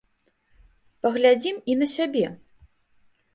Глядзім і на сябе!